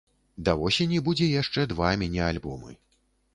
Да восені будзе яшчэ два міні-альбомы.